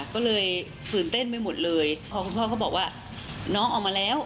ก็เลยตื่นเต้นไปหมดเลยพอคุณพ่อเขาบอกว่าน้องออกมาแล้ว